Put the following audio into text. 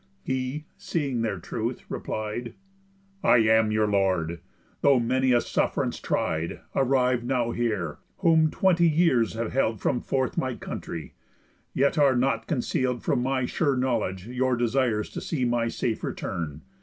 He, seeing their truth, replied; "I am your lord, through many a suff'rance tried, Arriv'd now here, whom twenty years have held From forth my country. Yet are not conceal'd From my sure knowledge your desires to see My safe return.